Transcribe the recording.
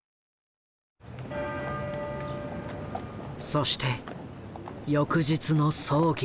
そして翌日の葬儀。